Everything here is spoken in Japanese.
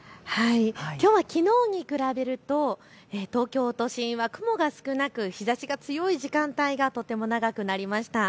きょうはきのうに比べると東京都心は雲が少なく日ざしが強い時間帯がとても長くなりました。